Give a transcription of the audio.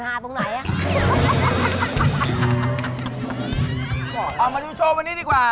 ที่บอก้อมาที่วิวช่อวันนี้ดีกว่า